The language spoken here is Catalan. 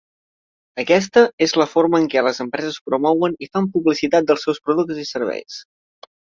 Aquesta és la forma en què les empreses promouen i fan publicitat dels seus productes i serveis.